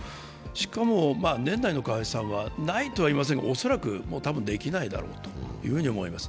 しかも年内の解散はないとは言いませんが恐らく、もう多分できないだろうと思います。